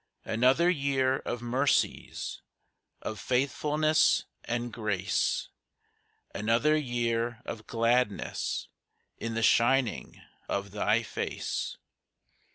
Another year of mercies, Of faithfulness and grace; Another year of gladness In the shining of Thy face.